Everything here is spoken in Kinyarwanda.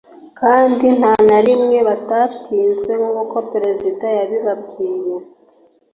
kandi nta na rimwe batatsinzwe, nk'uko perezida yabibabwiye